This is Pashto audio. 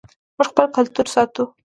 موږ خپل کلتور ساتو